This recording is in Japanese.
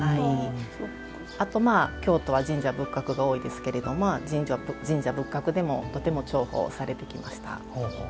あと京都は神社仏閣が多いですけど神社仏閣でもとても重宝されてきました。